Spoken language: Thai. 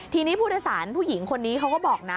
ทีนี้ผู้โดยสารผู้หญิงคนนี้เขาก็บอกนะ